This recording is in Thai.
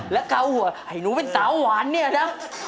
และเกาหัวให้หนูเป็นสาวหวานเนี่ยนะ